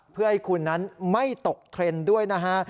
เพื่อให้คุณนั้นไม่ตกเทรนด์ด้วยนะฮะ